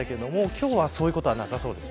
今日はそういうことはなさそうです。